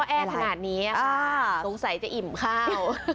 แอร์ถนาดนี้ค่ะสงสัยจะอิ่มข้าว